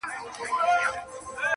د جهاني غزل د شمعي په څېر ژبه لري،